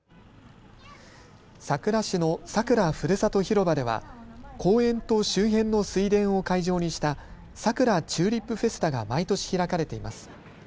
佐倉市の佐倉ふるさと広場では公園と周辺の水田を会場にした佐倉チューリップフェスタが毎年開かれています。